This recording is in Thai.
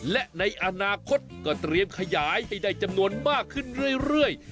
และในอนาคตก็เตรียมขยายให้ได้จำนวนมากขึ้นเรื่อย